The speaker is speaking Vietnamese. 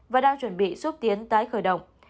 và đang chuẩn bị xúc tiến tái khởi động